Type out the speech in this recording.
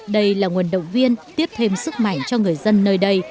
đây là nguồn động viên tiếp thêm sức mạnh cho người dân nơi đây